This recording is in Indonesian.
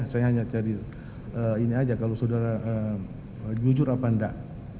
saya hanya cari ini aja kalau saudara jujur apa enggak